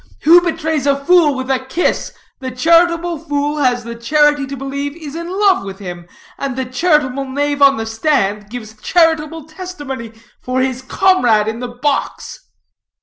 Who betrays a fool with a kiss, the charitable fool has the charity to believe is in love with him, and the charitable knave on the stand gives charitable testimony for his comrade in the box."